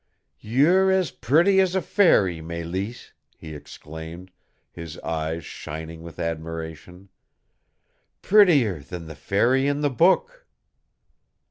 "You're as pretty as a fairy, Mélisse!" he exclaimed, his eyes shining with admiration. "Prettier than the fairy in the book!"